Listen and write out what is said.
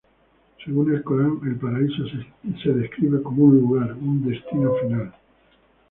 Según el Corán, el paraíso se describe como un lugar, un destino final.